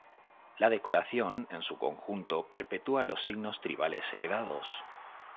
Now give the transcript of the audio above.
La decoración, en su conjunto, perpetúa los signos tribales heredados.